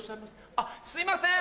あっすいません